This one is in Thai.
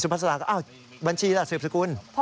ภาษาก็อ้าวบัญชีล่ะสืบสกุล